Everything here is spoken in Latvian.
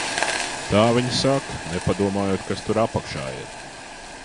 Tā viņi saka, nepadomājot, kas tur apakšā ir.